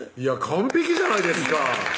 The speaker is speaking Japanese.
完璧じゃないですか